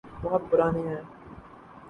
بہت پرانے ہیں۔